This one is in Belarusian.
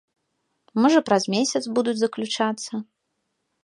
Можа, праз месяц будуць заключацца.